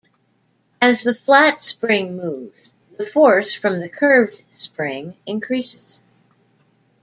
As the flat spring moves, the force from the curved spring increases.